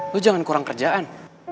lo jangan kurang kerjaan